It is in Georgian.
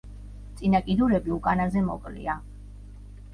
წინა კიდურები უკანაზე მოკლეა.